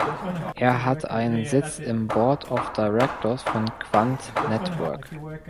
Er hat einen Sitz im Board of Directors von Quant Network.